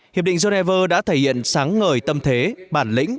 hiệp định geneva đã thể hiện sáng ngời tâm thế bản lĩnh